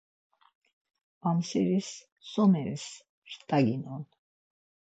Amseris someris rt̆aginon?